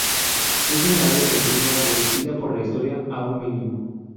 Es un área pequeña, reducida por la historia a un mínimo.